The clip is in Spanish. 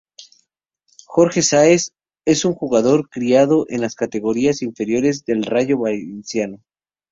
Jorge Sáez es un jugador criado en las categorías inferiores del Rayo Vallecano.